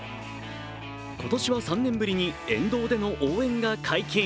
今年は３年ぶりに沿道での応援が解禁。